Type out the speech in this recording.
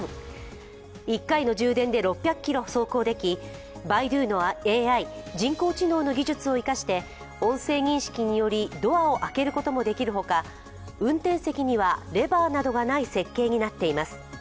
１回の充電で６００ｋｍ走行できバイドゥのＡＩ＝人工知能の技術を生かして音声認識により、ドアを開けることもできるほか運転席にはレバーなどがない設計になっています。